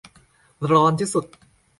ร้อนที่สุด